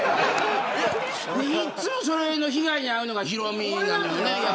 いつも、それの被害に遭うのがヒロミなのよね。